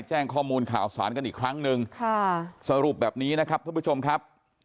แจ้งข้อมูลข่าวสารกันอีกครั้งหนึ่งค่ะสรุปแบบนี้นะครับท่านผู้ชมครับ